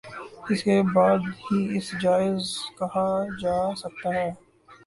اس کے بعد ہی اسے جائز کہا جا سکتا ہے